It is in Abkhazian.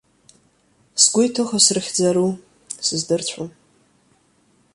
Сгәы иҭыхо срыхьӡару сыздырцәом.